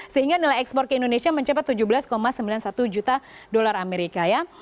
sehingga nilai ekspor ke indonesia mencapai tujuh belas sembilan puluh satu juta dolar amerika ya